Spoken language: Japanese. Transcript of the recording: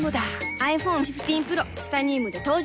ｉＰｈｏｎｅ１５Ｐｒｏ チタニウムで登場